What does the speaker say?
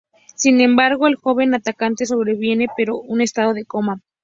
Sin embargo, el joven atacante sobrevive, pero en estado de coma.